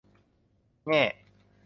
แง่